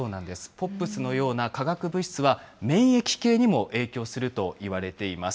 ＰＯＰｓのような化学物質は、免疫系にも影響するといわれています。